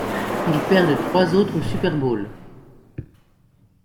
Ils perdent trois autres Super Bowls.